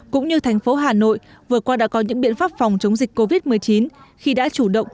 cũng như thành phố hà nội vừa qua đã có những biện pháp phòng chống dịch covid một mươi chín khi đã chủ động